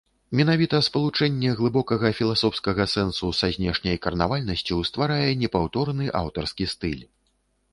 Менавіта спалучэнне глыбокага філасофскага сэнсу са знешняй карнавальнасцю стварае непаўторны аўтарскі стыль.